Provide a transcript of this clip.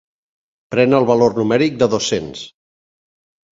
Pren el valor numèric de dos-cents.